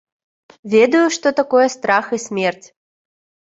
Ведаю, што такое страх і смерць.